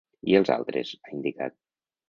I els altres?, ha indicat.